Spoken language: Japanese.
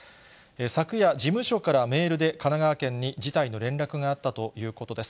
昨夜、事務所からメールで、神奈川県に辞退の連絡があったということです。